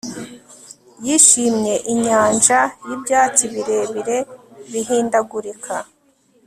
yishimyeinyanja y'ibyatsi birebire bihindagurika